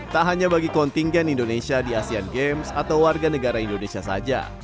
tak hanya bagi kontingen indonesia di asean games atau warga negara indonesia saja